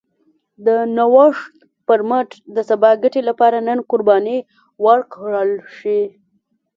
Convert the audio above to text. د نوښت پر مټ د سبا ګټې لپاره نن قرباني ورکړل شي.